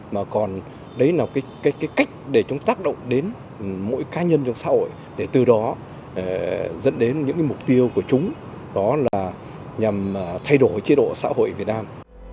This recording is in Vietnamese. mà dẫn đến mỗi cá nhân trong xã hội để từ đó dẫn đến những mục tiêu của chúng đó là nhằm thay đổi chế độ xã hội việt nam